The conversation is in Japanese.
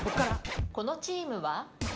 このチームは？